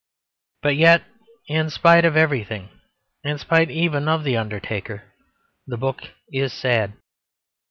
But yet in spite of everything, in spite even of the undertaker, the book is sad.